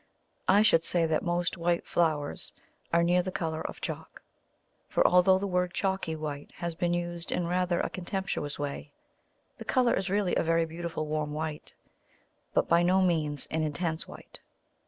I should say that most white flowers are near the colour of chalk; for although the word chalky white has been used in rather a contemptuous way, the colour is really a very beautiful warm white, but by no means an intense white.